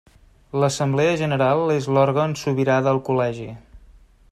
L'Assemblea General és l'òrgan sobirà del Col·legi.